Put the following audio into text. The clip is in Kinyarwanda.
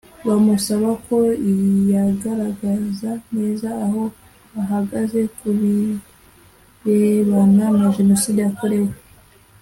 bamusaba ko yagaragaza neza aho ahagaze ku birebana na Jenoside yabakorewe